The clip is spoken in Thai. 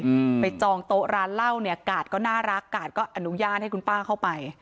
อืมไปจองโต๊ะร้านเหล้าเนี้ยกาดก็น่ารักกาดก็อนุญาตให้คุณป้าเข้าไป